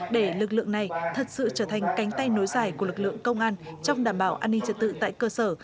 để lực lượng này thật sự trở thành cánh tay nối dài của lực lượng công an trong đảm bảo an ninh trật tự tại cơ sở